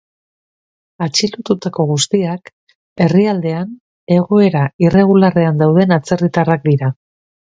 Atxilotutako guztiak herrialdean egoera irregularrean dauden atzerritarrak dira.